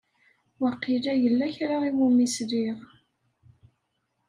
Waqila yella kra i wumi sliɣ.